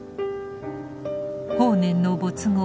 法然の没後